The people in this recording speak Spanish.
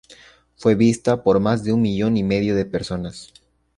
Fue vista por más de un millón y medio de personas.